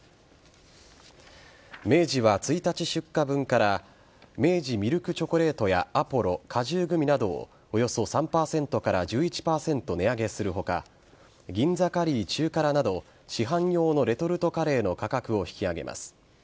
明治は１日出荷分から明治ミルクチョコレートやアポロ果汁グミなどおよそ３％から１１％値上げする他銀座カリー中辛など市販用のレトルトカレーの価格を引き上げます。